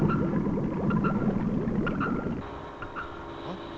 あっ？